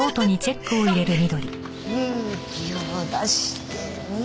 勇気を出してみる。